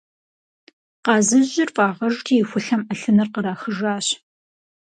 Къазыжьыр фӀагъэжри, и хулъэм Ӏэлъыныр кърахыжащ.